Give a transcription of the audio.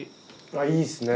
いいっすね。